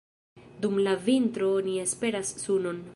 Dum la vintro oni esperas sunon.